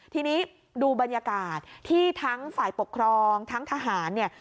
ทีนี้ดูบรรยากาศที่ทั้งฝ่ายปกครองทั้งทหารเนี่ย